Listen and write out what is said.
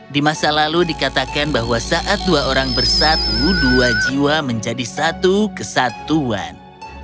di masa lalu dikatakan bahwa saat dua orang bersatu dua jiwa menjadi satu kesatuan